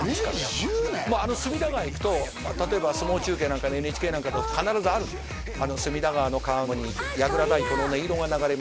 隅田川へ行くと例えば相撲中継なんかでＮＨＫなんかだと必ずある「隅田川の川面に櫓太鼓の音色が流れまして」